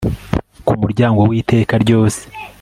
ku muryango w'iteka ryose